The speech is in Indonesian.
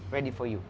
siap untuk kamu